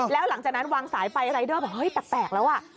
แล้วหลังจากนั้นวางสายไปรายเดอร์บอกเฮ้ยแปลกแล้วอ่ะ